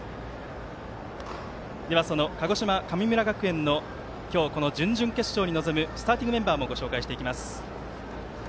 その鹿児島、神村学園の今日、この準々決勝に臨むスターティングメンバーをご紹介していきます。